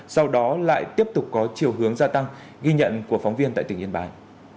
sau đó lại tiếp tục có chiều hướng gia tăng ghi nhận của phóng viên tại tỉnh yên bái